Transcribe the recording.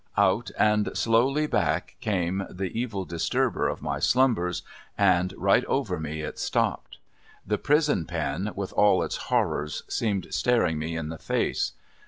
Out and slowly back came the evil disturber of my slumbers, and right over me it stopped. The prison pen, with all its horrors, seemed staring me in the face.